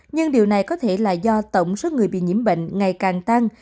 nhưng điều này có thể là do tổng số người bị nhiễm bệnh ngày càng tăng